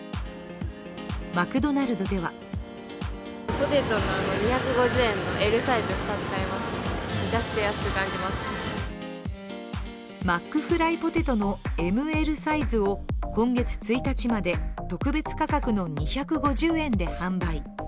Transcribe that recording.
マクドナルドではマックフライポテトのＭ、Ｌサイズを今月１日まで、特別価格の２５０円で販売。